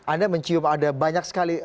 anda mencium ada banyak sekali